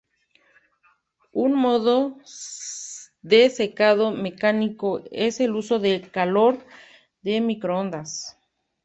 Un modo de secado mecánico es el uso de calor de microondas.